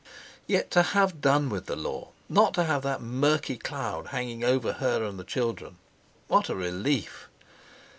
Yet to have done with the Law, not to have that murky cloud hanging over her and the children! What a relief!